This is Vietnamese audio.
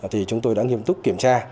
thì chúng tôi đã nghiêm túc kiểm tra